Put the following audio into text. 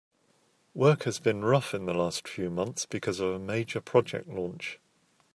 Work has been rough in the last few months because of a major project launch.